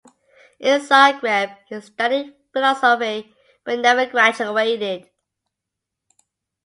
In Zagreb, he studied philosophy, but never graduated.